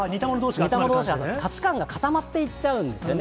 似たものどうしが、価値観が固まっていっちゃうんですよね。